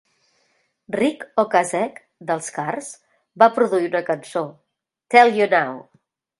Ric Ocasek dels Cars va produir una cançó, "Tell You Now".